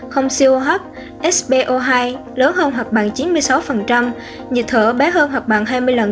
không coh sbo hai lớn hơn hoặc bằng chín mươi sáu nhịp thở bé hơn hoặc bằng hai mươi lần